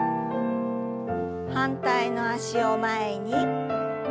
反対の脚を前に。